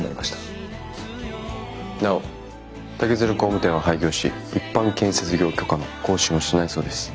なお竹鶴工務店は廃業し一般建設業許可の更新をしないそうです。